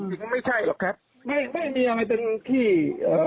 จริงไม่ใช่หรอกครับไม่ไม่มีอะไรเป็นที่เอ่อ